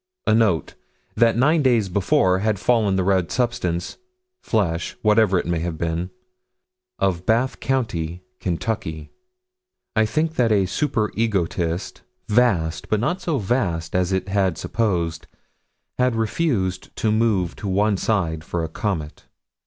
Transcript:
A note: That nine days before had fallen the red substance flesh whatever it may have been of Bath County, Kentucky. I think that a super egotist, vast, but not so vast as it had supposed, had refused to move to one side for a comet.